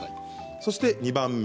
そして２番目。